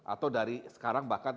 atau dari sekarang bahkan